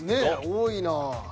多いなぁ。